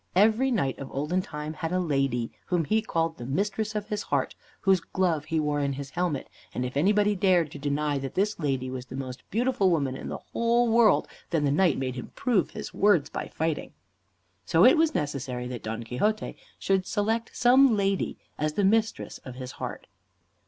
Every knight of olden time had a lady, whom he called the Mistress of his Heart, whose glove he wore in his helmet; and if anybody dared to deny that this lady was the most beautiful woman in the whole world, then the knight made him prove his words by fighting. So it was necessary that Don Quixote should select some lady as the Mistress of his Heart.